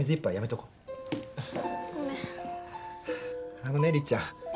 あのねりっちゃん。